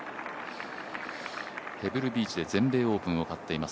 ペブルビーチで全米オープンを勝っています。